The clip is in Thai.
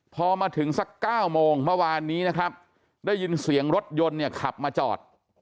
พอมาถึงสัก๙โมงเมื่อวานนี้นะครับได้ยินเสียงรถยนต์เนี่ยขับมาจอด